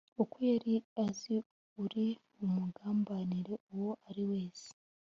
uko yari azi uri bumugambanire uwo ari wese